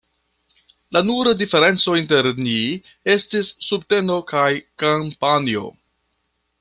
La nura diferenco inter ni estis subteno kaj kampanjo.